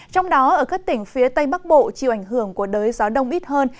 trong đó ở các tỉnh phía tây bắc bộ chịu ảnh hưởng của đới gió đông ít hơn